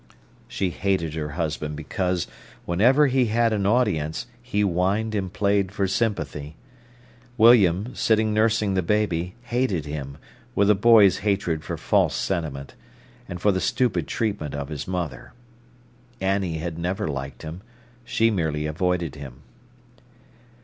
She hated her husband because, whenever he had an audience, he whined and played for sympathy. William, sitting nursing the baby, hated him, with a boy's hatred for false sentiment, and for the stupid treatment of his mother. Annie had never liked him; she merely avoided him.